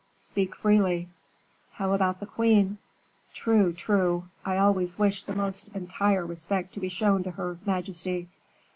"Speak freely." "How about the queen?" "True, true; I always wish the most entire respect to be shown to her majesty.